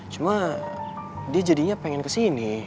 cuma dia jadinya pengen kesini